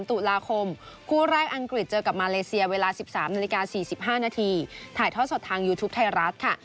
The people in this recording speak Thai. ตุลาคมคู่แรกอังกฤษเจอกับมาเลเซียเวลา๑๓นาฬิกา๔๕นาทีถ่ายทอดสดทางยูทูปไทยรัฐค่ะ